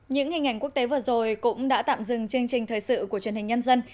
những hình ảnh quốc tế vừa rồi cũng đã tạm dừng chương trình thời sự của truyền hình nhân dân